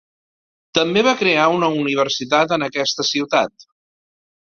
També va crear una universitat en aquesta ciutat.